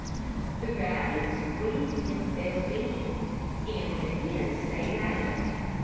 The rabbit squeezed himself in, and the hen stayed out.